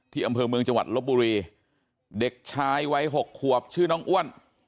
อำเภอเมืองจังหวัดลบบุรีเด็กชายวัย๖ขวบชื่อน้องอ้วน